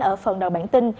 ở phần đầu bản tin